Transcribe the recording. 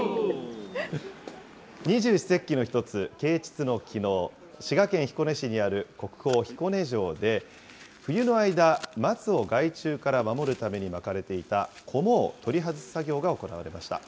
二十四節気の一つ、啓ちつのきのう、滋賀県彦根市にある国宝彦根城で冬の間、松を害虫から守るために巻かれていたこもを取り外す作業が行われました。